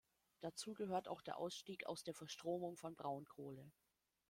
Dazu gehört auch der Ausstieg aus der Verstromung von Braunkohle.